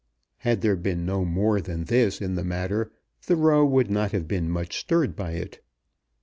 Had there been no more than this in the matter the Row would not have been much stirred by it.